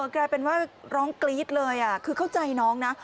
กลายเป็นว่าร้องกรี๊ดเลยคือเข้าใจน้องนะ